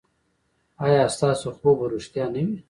ایا ستاسو خوب به ریښتیا نه وي؟